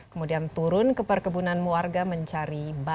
kemudian turun ke perkebunan warga mencari barang